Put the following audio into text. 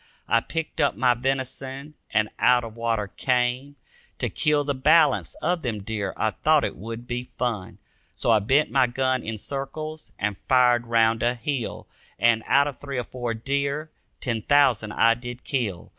I picked up my venison and out of water came, To kill the balance of them deer, I thought it would be fun. So I bent my gun in circles and fired round a hill. And, out of three or four deer, ten thousand I did kill.